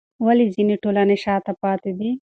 ولې ځینې ټولنې شاته پاتې دي؟